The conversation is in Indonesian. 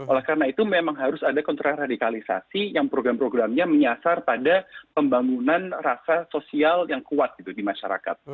oleh karena itu memang harus ada kontraradikalisasi yang program programnya menyasar pada pembangunan rasa sosial yang kuat gitu di masyarakat